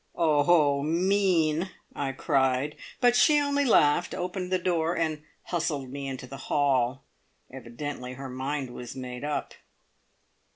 "Oh mean!" I cried, but she only laughed, opened the door, and hustled me into the hall. Evidently her mind was made up.